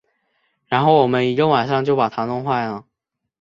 然后我们一个晚上就把它弄坏了